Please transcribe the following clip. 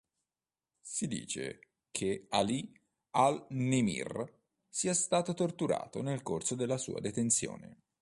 Si dice che ʿAlī al-Nimr sia stato torturato nel corso della sua detenzione.